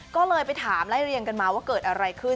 ก็เลยไปถามไล่เรียงกันมาว่าเกิดอะไรขึ้น